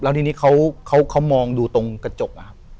แล้วทำยังไม่เขาเข้ามองดูตรงกระจก